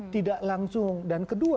tidak langsung dan kedua